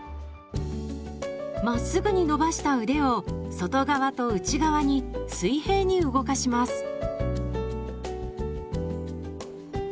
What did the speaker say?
まっすぐに伸ばした腕を外側と内側に水平に動かします。